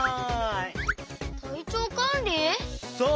そう。